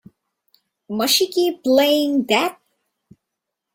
Must she keep playing that?